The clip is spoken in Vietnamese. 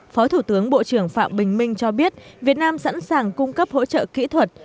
phó thủ tướng bộ trưởng phạm bình minh cho biết việt nam sẵn sàng cung cấp hỗ trợ kỹ thuật